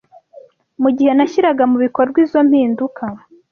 Mu gihe nashyiraga mu bikorwa izo mpinduka